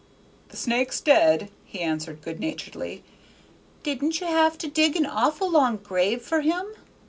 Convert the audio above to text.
"The snake's dead," he answered good naturedly. "Didn't you have to dig an awful long grave for him?"